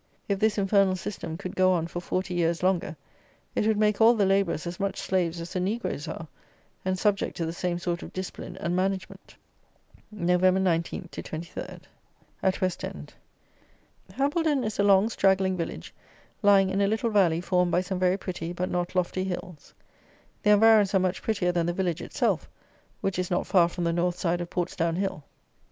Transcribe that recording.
If this infernal system could go on for forty years longer, it would make all the labourers as much slaves as the negroes are, and subject to the same sort of discipline and management. November 19 to 23. At West End. Hambledon is a long, straggling village, lying in a little valley formed by some very pretty but not lofty hills. The environs are much prettier than the village itself, which is not far from the North side of Portsdown Hill.